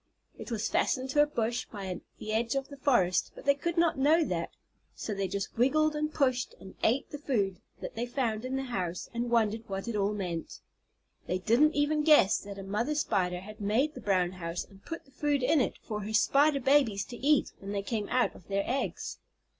It was fastened to a bush by the edge of the forest, but they could not know that, so they just wiggled and pushed and ate the food that they found in the house, and wondered what it all meant. They didn't even guess that a mother Spider had made the brown house and put the food in it for her Spider babies to eat when they came out of their eggs.